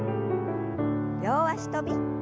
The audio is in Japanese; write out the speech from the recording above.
両脚跳び。